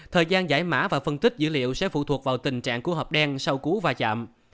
thời gian giải mã và phân tích dữ liệu sẽ phụ thuộc vào tình trạng của hộp đen sau cú va chạm